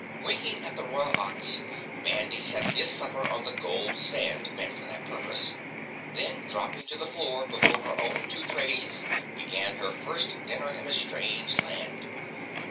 Winking at the Royal Ox, Mandy set his supper on the gold stand meant for that purpose, then dropping to the floor before her own two trays began her first dinner in a strange land.